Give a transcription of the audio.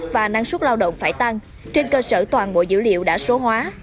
và năng suất lao động phải tăng trên cơ sở toàn bộ dữ liệu đã số hóa